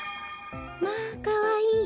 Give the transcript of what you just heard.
まあかわいい。